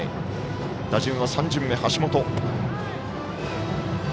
打順は３巡目、橋本。